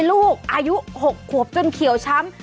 ลูกอายุ๖ขวบจนเขียวช้ำ